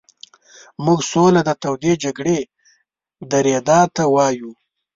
موږ سوله د تودې جګړې درېدا ته وایو.